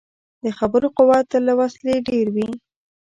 د خبرو قوت تل له وسلې ډېر وي.